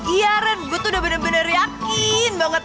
iya ren gue tuh udah bener bener yakin banget